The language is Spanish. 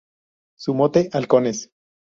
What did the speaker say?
Su mote: Halcones.